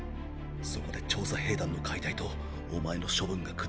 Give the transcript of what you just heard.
そこで調査兵団の解体とお前の処分が下される流れだ。